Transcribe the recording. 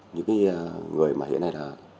những người mà hiện nay